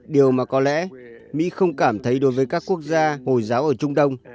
điều mà có lẽ mỹ không cảm thấy đối với các quốc gia hồi giáo ở trung đông